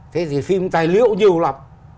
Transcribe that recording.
thế thì phim tài liệu nhiều lập